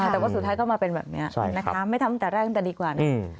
แต่ว่าสุดท้ายก็มาเป็นแบบนี้นะคะไม่ทำตั้งแต่แรกตั้งแต่ดีกว่านะ